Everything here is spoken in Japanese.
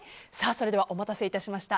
それではお待たせいたしました。